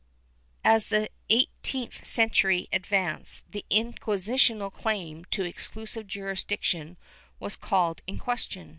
^ As the eighteenth century advanced, the inquisitorial claim to exclusive jurisdiction was called in question.